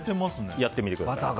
やってみてください。